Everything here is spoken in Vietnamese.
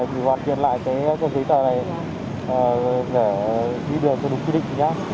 và hoàn thiện lại cái giấy tờ này để đi đường cho đúng quy định nhé